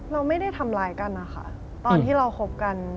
เราไม่ได้ทำร้ายกันนะคะตอนที่เราคบกัน